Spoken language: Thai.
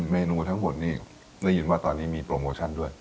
เมนูทั้งหมดนี่ได้ยินว่าตอนนี้มีโปรโมชั่นด้วย